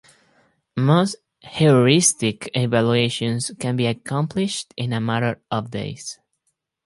Most heuristic evaluations can be accomplished in a matter of days.